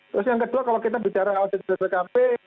terus yang kedua kalau kita bicara audit bpkp